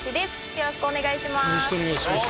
よろしくお願いします。